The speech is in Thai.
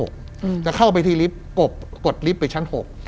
จะเข้าไปที่ลิฟต์กบกดลิฟต์ไปชั้นหก